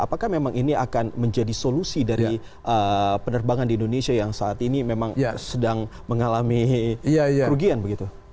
apakah memang ini akan menjadi solusi dari penerbangan di indonesia yang saat ini memang sedang mengalami kerugian begitu